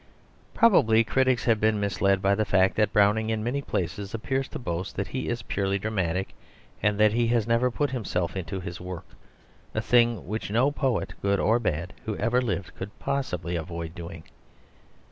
Probably critics have been misled by the fact that Browning in many places appears to boast that he is purely dramatic, that he has never put himself into his work, a thing which no poet, good or bad, who ever lived could possibly avoid doing.